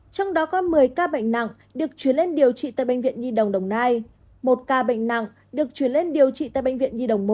trong đó có một mươi ca bệnh nặng được chuyển lên điều trị tại bệnh viện nhi đồng đồng nai một ca bệnh nặng được chuyển lên điều trị tại bệnh viện nhi đồng một